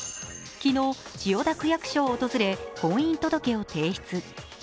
昨日、千代田区役所を訪れ婚姻届を提出。